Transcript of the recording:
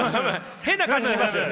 変な感じしますよね！